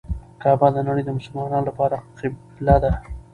کعبه د نړۍ د مسلمانانو لپاره قبله ده.